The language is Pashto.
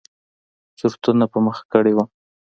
چورتونو په مخه کړى وم.